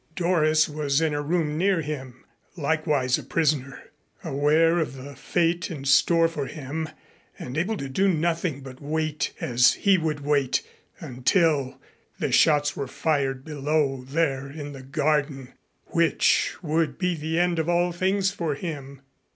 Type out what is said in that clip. Doris was in a room near him, likewise a prisoner, aware of the fate in store for him and able to do nothing but wait as he would wait until the shots were fired below there in the garden, which would be the end of all things for him.